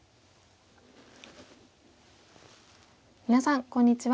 皆さんこんにちは。